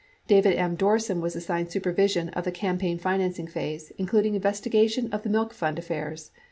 David M. Dorsen was assigned supervision of the campaign financing phase, including investigation of the milk fund affairs.